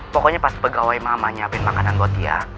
pokoknya pas pegawai mama nyiapin makanan buat dia